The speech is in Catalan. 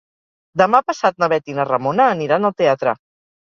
Demà passat na Bet i na Ramona aniran al teatre.